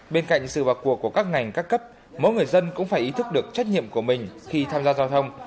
bên cạnh sự vào cuộc của các ngành các cấp mỗi người dân cũng phải ý thức được trách nhiệm của mình khi tham gia giao thông